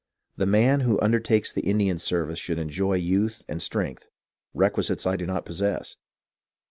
The man who undertakes the Indian service should enjoy youth and strength, requisites I do not possess.